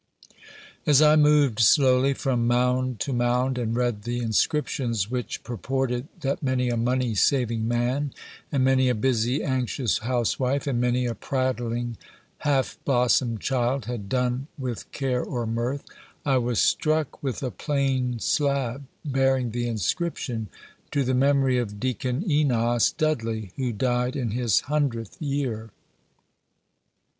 As I moved slowly from mound to mound, and read the inscriptions, which purported that many a money saving man, and many a busy, anxious housewife, and many a prattling, half blossomed child, had done with care or mirth, I was struck with a plain slab, bearing the inscription, "To the memory of Deacon Enos Dudley, who died in his hundredth year."